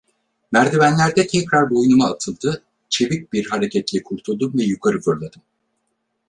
Merdivenlerde tekrar boynuma atıldı, çevik bir hareketle kurtuldum ve yukarı fırladım.